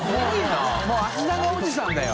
もう足長おじさんだよ。